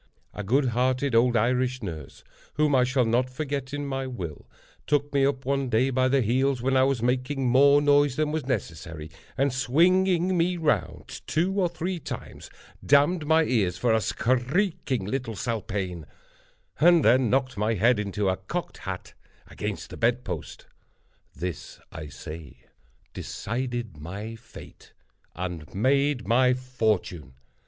A good hearted old Irish nurse (whom I shall not forget in my will) took me up one day by the heels, when I was making more noise than was necessary, and swinging me round two or three times, d—d my eyes for "a skreeking little spalpeen," and then knocked my head into a cocked hat against the bedpost. This, I say, decided my fate, and made my fortune.